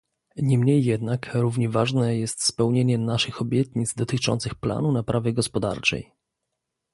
Niemniej jednak równie ważne jest spełnienie naszych obietnic dotyczących planu naprawy gospodarczej